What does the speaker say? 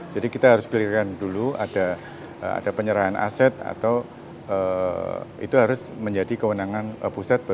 jadi kita harus pilihkan dulu ada penyerahan aset atau itu harus menjadi kewenangan pusat baru bisa diperolehkan